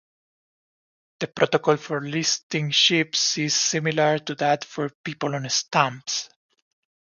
The protocol for listing ships is similar to that for people on stamps.